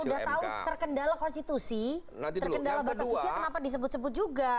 sudah tahu terkendala konstitusi terkendala batas usia kenapa disebut sebut juga